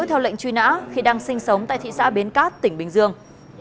theo lệnh truy nã khi đang sinh sống tại thị xã bến cát tỉnh bình dương